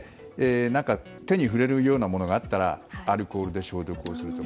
手に触れるようなものがあったらアルコールで消毒するとか